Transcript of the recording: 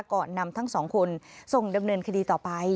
ก่อนนำทั้งสองคนส่งดำเนินคดีต่อไป